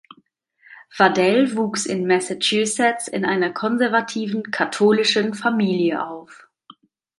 Waddell wuchs in Massachusetts in einer konservativen katholischen Familie auf.